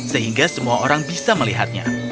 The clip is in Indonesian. sehingga semua orang bisa melihatnya